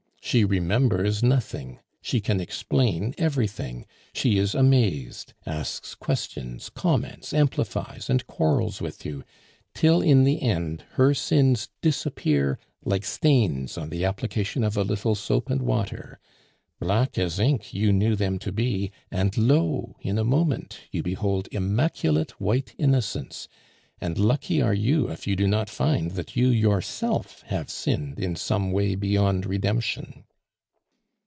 She remembers nothing, she can explain everything; she is amazed, asks questions, comments, amplifies, and quarrels with you, till in the end her sins disappear like stains on the application of a little soap and water; black as ink you knew them to be; and lo! in a moment, you behold immaculate white innocence, and lucky are you if you do not find that you yourself have sinned in some way beyond redemption.